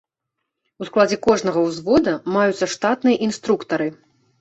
У складзе кожнага ўзвода маюцца штатныя інструктары.